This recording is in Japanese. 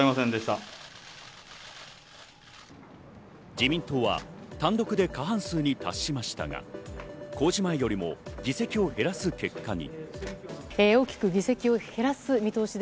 自民党は単独で過半数に達しましたが、公示前よりも議席を減らす結果に。